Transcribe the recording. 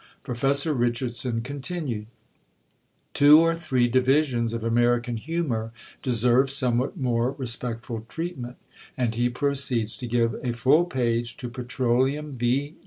Professor Richardson continued: "Two or three divisions of American humour deserve somewhat more respectful treatment," and he proceeds to give a full page to Petroleum V.